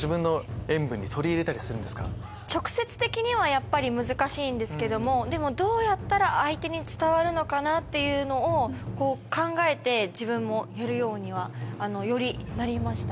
直接的にはやっぱり難しいんですけどもでもどうやったら相手に伝わるのかなっていうのをこう考えて自分もやるようにはよりなりました。